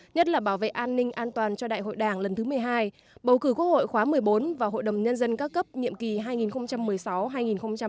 nhất là bảo vệ an ninh an toàn cho đại hội đảng lần thứ một mươi hai bầu cử quốc hội khóa một mươi bốn và hội đồng nhân dân các cấp nhiệm kỳ hai nghìn một mươi sáu hai nghìn hai mươi một